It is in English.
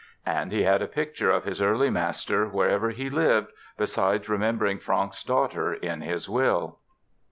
And he had a picture of his early master wherever he lived, besides remembering Franck's daughter in his will.